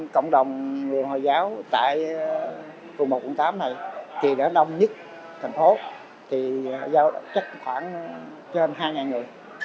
cộng đồng dân á lịch vực ở khu một quận tám này đã nông nhất thành phố có khoảng trên hai người